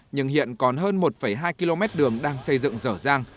nhưng hiện còn hơn một hai km đường đang xây dựng rở giang